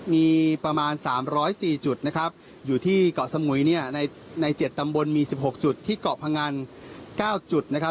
มีประมาณ๓๐๔จุดนะครับอยู่ที่เกาะสมุยเนี่ยใน๗ตำบลมี๑๖จุดที่เกาะพงัน๙จุดนะครับ